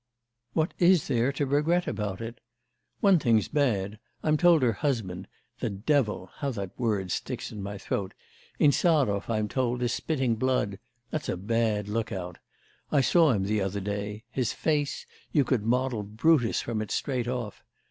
What is there to regret about it? One thing's bad; I'm told her husband the devil, how that word sticks in my throat! Insarov, I'm told, is spitting blood; that's a bad lookout. I saw him the other day: his face you could model Brutus from it straight off.